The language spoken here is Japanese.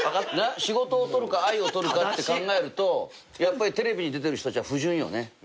仕事を取るか愛を取るかって考えるとやっぱりテレビに出てる人たちは不純よね。